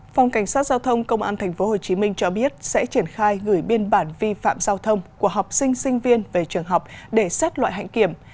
phòng cảnh sát giao thông công an tp hcm cho biết sẽ triển khai gửi biên bản vi phạm giao thông của học sinh sinh viên về trường học để xét loại hãnh kiểm